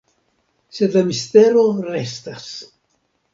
Sed la mistero restas.